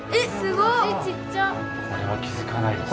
これは気付かないですね。